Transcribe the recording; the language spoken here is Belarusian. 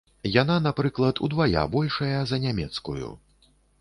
Яна, напрыклад, удвая большая за нямецкую.